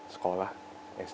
sekolah sd dands